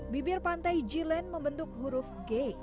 bibir pantai g land membentuk huruf g